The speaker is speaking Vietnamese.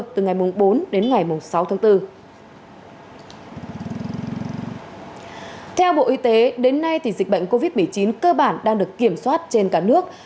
theo bộ y tế đến nay dịch bệnh covid một mươi chín cơ bản đang được kiểm soát trên cả nước